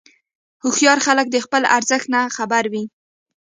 هوښیار خلک د خپل ارزښت نه خبر وي.